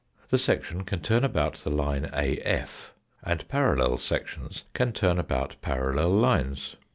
The section can turn about, the line AF, and parallel sections can turn about parallel lines.